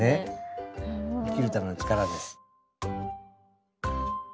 生きるための力です。